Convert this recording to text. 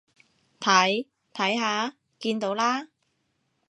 睇，睇下，見到啦？